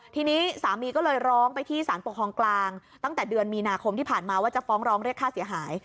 ทีนี้สามีก็เลยร้องไปที่สารปกครองกลางตั้งแต่เดือนมีนาคมที่ผ่านมาว่าจะฟ้องร้องเรียกค่าเสียหาย